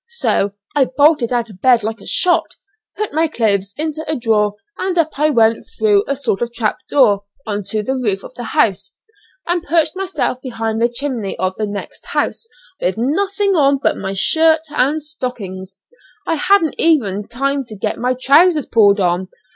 So I bolted out of bed like a shot, put my clothes into a drawer, and up I went through a sort of trap door on to the roof of the house, and perched myself behind the chimney of the next house, with nothing on but my shirt and stockings; I hadn't time even to get my trousers pulled on.